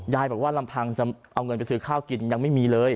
ยายบอกว่าลำพังจะเอาเงินไปซื้อข้าวกินยังไม่มีเลย